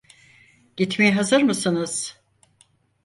Gitmeye hazır mısınız?